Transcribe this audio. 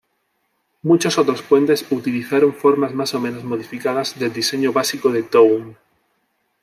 Muchos otros puentes utilizaron formas más o menos modificadas del diseño básico de Town.